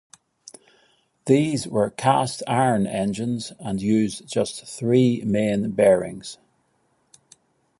These were cast iron engines, and used just three main bearings.